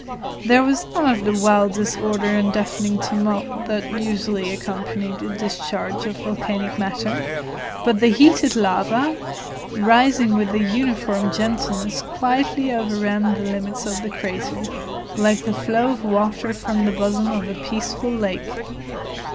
There was none of the wild disorder and deafening tumult that usually accompany the discharge of volcanic matter, but the heated lava, rising with a uniform gentleness, quietly overran the limits of the crater, like the flow of water from the bosom of a peaceful lake.